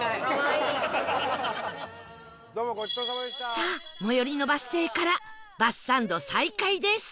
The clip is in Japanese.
さあ最寄りのバス停からバスサンド再開です